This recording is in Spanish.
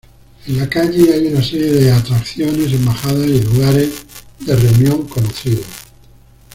En la calle hay una serie de atracciones, embajadas y lugares de reunión conocidos.